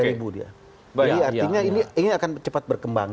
artinya ini akan cepat berkembang